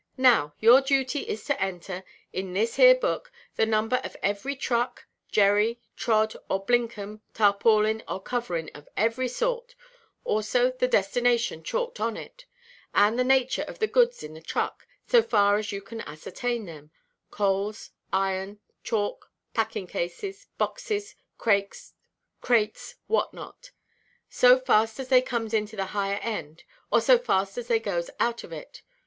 Now your duty is to enter, in this here book, the number of every truck, jerry, trod, or blinkem, tarpaulin, or covering of any sort; also the destination chalked on it, and the nature of the goods in the truck, so far as you can ascertain them; coals, iron, chalk, packing–cases, boxes, crates, what not, so fast as they comes into the higher end, or so fast as they goes out of it.